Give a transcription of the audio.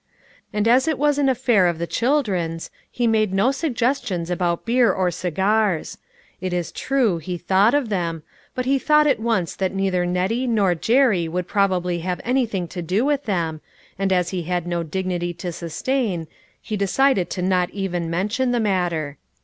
And as it was an affair of the children's, he made no suggestions about beer or cigars ; it is true he thought of them, but he thought at once that neither Nettie or Jerry would proba bly have anything to do with them, and as he had no dignity to sustain, he decided to not THB NEW ENTERPRISE. 377 even mention the matter.